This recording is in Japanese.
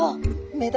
目玉。